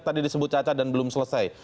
tadi disebut caca dan belum selesai